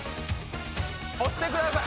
押してください